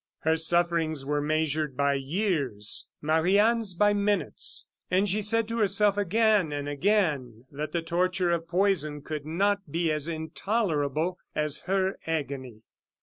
Her sufferings were measured by years, Marie Anne's by minutes; and she said to herself, again and again, that the torture of poison could not be as intolerable as her agony.